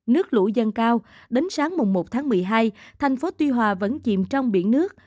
nước lũ dâng cao đến sáng một tháng một mươi hai thành phố tuy hòa vẫn chìm trong biển nước